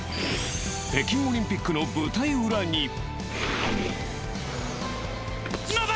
北京オリンピックの舞台裏に。